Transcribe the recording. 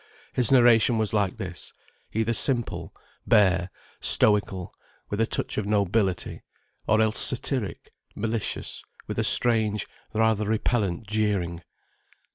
His narration was like this: either simple, bare, stoical, with a touch of nobility; or else satiric, malicious, with a strange, rather repellent jeering.